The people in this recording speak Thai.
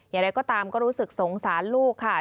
อย่างไรก็ตามก็รู้สึกสงสารลูกค่ะ